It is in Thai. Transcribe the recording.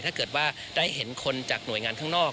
ถ้าเกิดว่าได้เห็นคนจากหน่วยงานข้างนอก